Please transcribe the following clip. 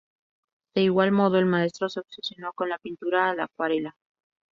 De igual modo, el maestro se obsesionó con la pintura a la acuarela.